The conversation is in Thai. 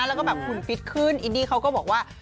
แล้วก็แบบหุ่นฟิตขึ้นอินดี้เขาก็บอกว่า